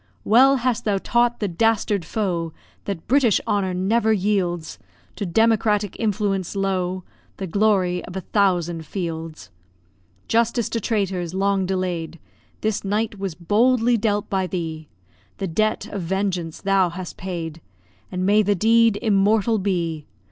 Well hast thou taught the dastard foe That British honour never yields To democratic influence, low, The glory of a thousand fields. Justice to traitors, long delay'd, This night was boldly dealt by thee; The debt of vengeance thou hast paid, And may the deed immortal be.